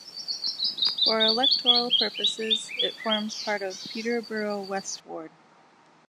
For electoral purposes it forms part of Peterborough West ward.